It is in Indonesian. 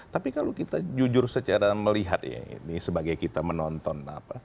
tapi kalau kita jujur secara melihat ya ini sebagai kita menonton apa